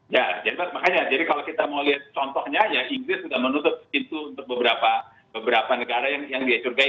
ya makanya jadi kalau kita mau lihat contohnya ya inggris sudah menutup pintu untuk beberapa negara yang dia curgai